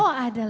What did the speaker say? oh ada lagi